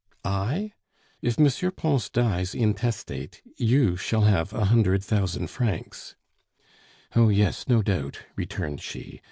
"I?... If M. Pons dies intestate, you shall have a hundred thousand francs." "Oh yes, no doubt," returned she.